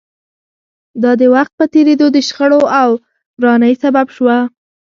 دا د وخت په تېرېدو د شخړو او ورانۍ سبب شوه